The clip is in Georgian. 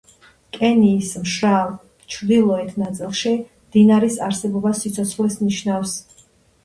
კენიის მშრალ, ჩრდილოეთ ნაწილში მდინარის არსებობა სიცოცხლეს ნიშნავს.